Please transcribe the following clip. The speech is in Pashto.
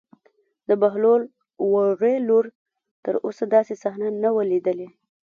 د بهلول وړې لور تر اوسه داسې صحنه نه وه لیدلې.